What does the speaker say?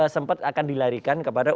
sempat akan dilarikan kepada